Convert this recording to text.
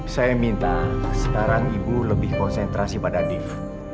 saya minta sekarang ibu lebih konsentrasi pada dief